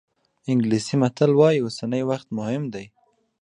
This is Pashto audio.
انګلیسي متل وایي اوسنی وخت مهم دی.